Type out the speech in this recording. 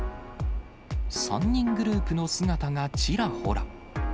３人グループの姿がちらほら。